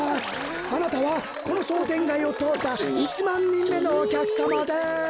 あなたはこのしょうてんがいをとおった１まんにんめのおきゃくさまです！